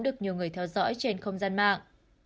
được nhiều người theo dõi trên không gian mạng